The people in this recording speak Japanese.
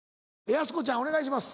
やす子ちゃんお願いします。